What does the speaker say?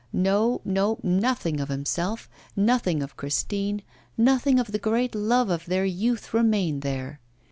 No, no, nothing of himself, nothing of Christine, nothing of the great love of their youth remained there!